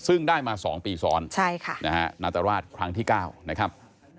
ซึ่งได้มา๒ปีซ้อนใช่ค่ะนะฮะณตรวาสครั้งที่๙นะครับ